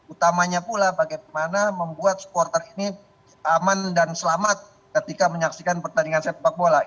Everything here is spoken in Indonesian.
utamanya pula bagaimana membuat supporter ini aman dan selamat ketika menyaksikan pertandingan sepak bola